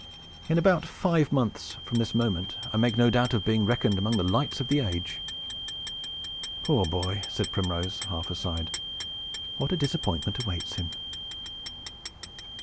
In about five months from this moment, I make no doubt of being reckoned among the lights of the age!" "Poor boy!" said Primrose, half aside. "What a disappointment awaits him!"